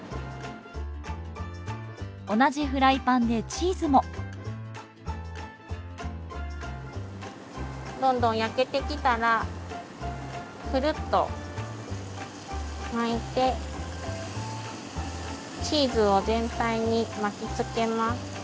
同じフライパンでチーズもどんどん焼けてきたらくるっと巻いてチーズを全体に巻きつけます。